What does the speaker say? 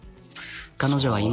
彼女は今。